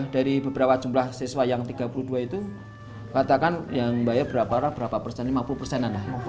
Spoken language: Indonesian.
dari beberapa jumlah siswa yang tiga puluh dua itu katakan yang bayar berapa persen lima puluh persenan